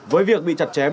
với việc bị chặt chém